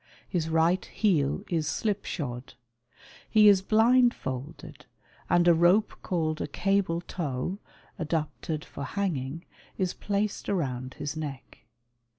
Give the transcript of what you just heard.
His right heel is slipshod. He is blindfolded, and a rope called a " cable tow," adapted for hanging, is placed round his neck.